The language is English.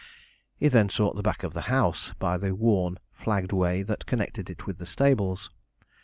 He then sought the back of the house by the worn flagged way that connected it with the stables.